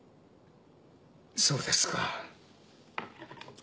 そうですか。